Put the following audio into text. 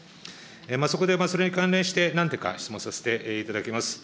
そこでそれに関連して、何点か質問させていただきます。